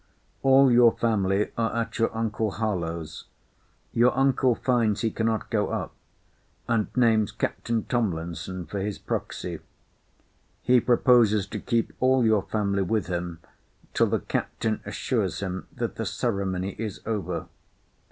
'All your family are at your uncle Harlowe's. Your uncle finds he cannot go up; and names Captain Tomlinson for his proxy. He proposes to keep all your family with him till the Captain assures him that the ceremony is over.